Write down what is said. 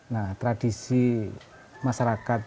nah tradisi masyarakat